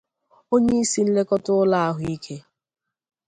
onyeisi nlekọta ụlọ ahụike ahụ